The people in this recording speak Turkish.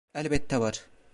Elbette var.